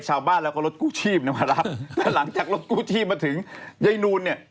แข็งแรงเหมือนเดิน